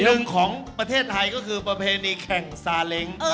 หนึ่งของประเทศไทยก็คือประเพณีแข่งซาเล้ง